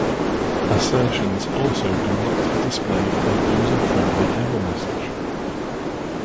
Assertions also do not display a user-friendly error message.